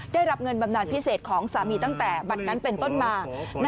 ได้รับเงินบำนานพิเศษของสามีตั้งแต่บัตรนั้นเป็นต้นมา